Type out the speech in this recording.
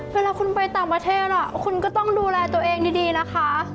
เวลาคุณไปต่างประเทศคุณก็ต้องดูแลตัวเองดีนะคะ